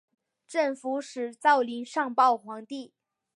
镇抚使赵霖上报皇帝。